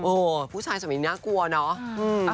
โอ้โหผู้ชายสมัยนี้น่ากลัวเนอะ